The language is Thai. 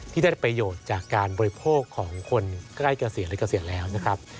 ที่ได้ประโยชน์จากการบริโภคของคนใกล้เกษียณและเกษียณแล้วนะครับ